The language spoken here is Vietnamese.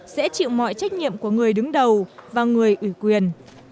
sẽ chịu mọi trách nhiệm của người đứng đầu và người ủy quyền